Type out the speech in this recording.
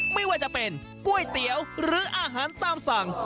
ไม่ว่าจะเป็นก๋วยเตี๋ยวหรืออาหารตามสั่ง